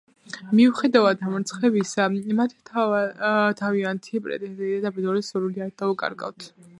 მიუხედავად დამარცხებისა, მათ თავიანთი პრეტენზია და ბრძოლის სურვილი არ დაუკარგავთ.